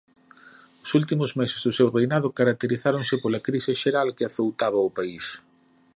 Os últimos meses do seu reinado caracterizáronse pola crise xeral que azoutaba o país.